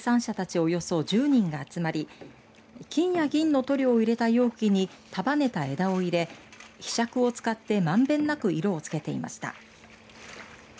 およそ１０人が集まり金や銀の塗料を入れた容器に束ねた枝を入れひしゃくを使って、まんべんなく色をつけていました。